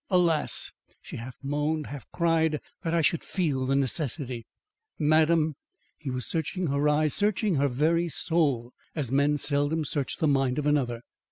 Alas!" she half moaned, half cried, "that I should feel the necessity!" "Madam!" he was searching her eyes, searching her very soul, as men seldom search the mind of another.